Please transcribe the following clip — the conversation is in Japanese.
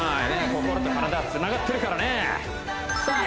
心と体はつながってるからねさあ